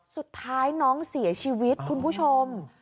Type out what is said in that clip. สุดท้ายน้องเสียชีวิตคุณผู้ชม